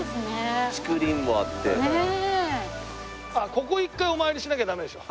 ここ一回お参りしなきゃダメでしょ。